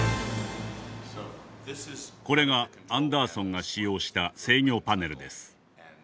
これがアンダーソンが使用した制御パネルです。